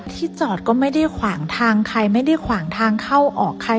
ที่จอดก็ไม่ได้ขวางทางใครไม่ได้ขวางทางเข้าออกใคร